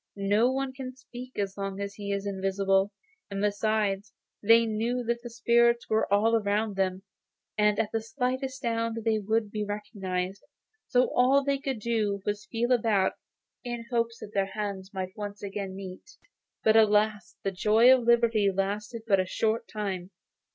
No one can speak as long as he is invisible, and besides, they knew that the spirits were all around them, and at the slightest sound they would be recognised; so all they could do was to feel about in the hope that their hands might once more meet. But, alas! the joy of liberty lasted but a short time.